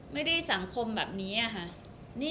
ไม่ได้สังคมแบบนี้ค่ะ